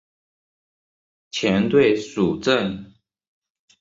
前队属正。